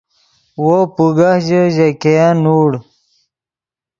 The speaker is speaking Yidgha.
وو پوگہ ژے، ژے ګین نوڑ